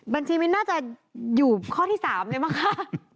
บัญชีมิ้นน่าจะอยู่ข้อที่๓เลยมั้งคะ